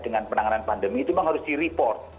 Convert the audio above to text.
dengan penanganan pandemi itu memang harus direport